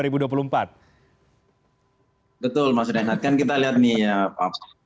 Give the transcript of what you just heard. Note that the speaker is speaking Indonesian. betul mas rian kan kita lihat nih ya pak